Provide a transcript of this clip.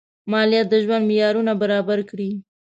مالیات د ژوند معیارونه برابر کړي.